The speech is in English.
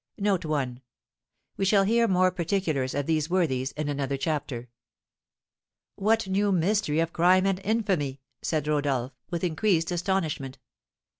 We shall hear more particulars of these worthies in another chapter. "What new mystery of crime and infamy?" said Rodolph, with increased astonishment.